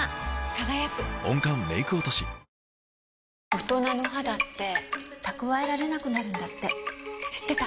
大人の肌って蓄えられなくなるんだって知ってた？